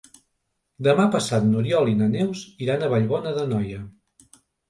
Demà passat n'Oriol i na Neus iran a Vallbona d'Anoia.